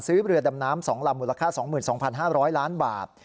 เรือดำน้ำ๒ลำมูลค่า๒๒๕๐๐ล้านบาท